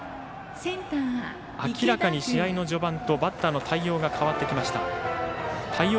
明らかに試合の序盤とバッターの対応が変わってきました。